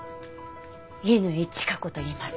乾チカ子といいます。